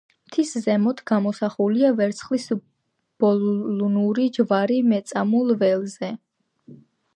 მთის ზემოთ გამოსახულია ვერცხლის ბოლნური ჯვარი მეწამულ ველზე.